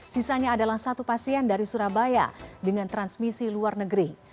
sisanya adalah satu pasien dari surabaya dengan transmisi luar negeri